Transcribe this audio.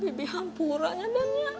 bibi hampurannya den